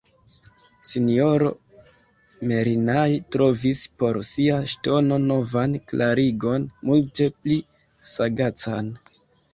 S-ro Merinai trovis por sia ŝtono novan klarigon, multe pli sagacan.